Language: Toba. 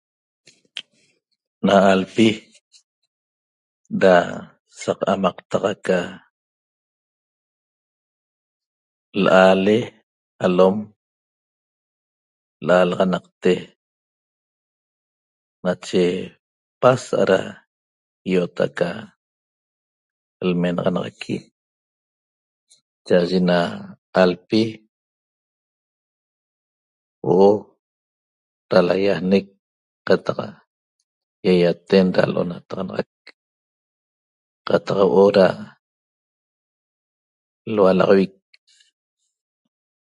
Na alpi da saq amaqtaq aca l'aale alom l'aalaxanaqte nache pasa'a da i'ot aca lmenaxanaxaqui cha'aye na alpi huo'o da laýajnec qataq ýaýaten da l'onataxanaxac qataq huo'o da lualaxavic